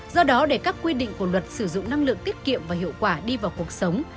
do đó để các quy định của luật sử dụng năng lượng tiết kiệm và hiệu quả đi vào cuộc sống